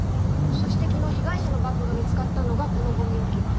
そして昨日被害者のバッグが見つかったのがこのゴミ置き場。